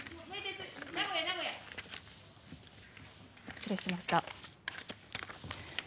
失礼しました。